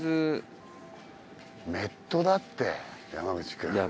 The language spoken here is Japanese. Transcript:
メットだって山口くん。